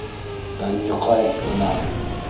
Ынйыҡай-ғынам...